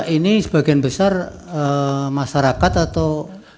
ini sebagian besar masyarakat atau